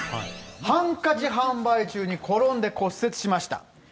ハンカチ販売中に転んで骨折しました。